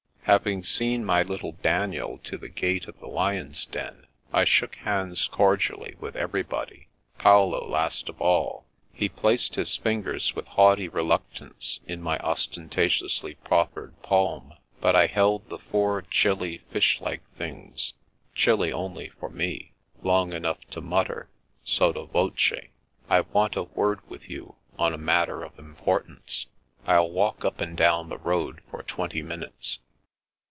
Having seen my little Daniel to the gate of the Lions' Den, I shook hands cordially with every body, Paolo last of all. He placed" his fingers with haughty reluctance in my ostentatiously proffered palm, but I held the four chilly, fish like things (chilly only for me) long enough to mutter, sotio voce: " I want a word with you on a matter of im portance. I'll walk up and down the road for twenty minutes."